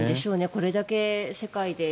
これだけ世界で。